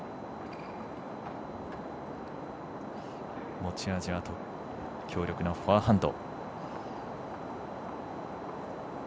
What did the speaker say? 持ち味は強力なフォアハンド。